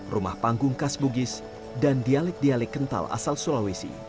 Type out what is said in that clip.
rumah panggung khas bugis dan dialek dialek kental asal sulawesi